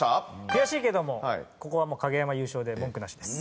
悔しいけどもここはもう影山優勝で文句なしです。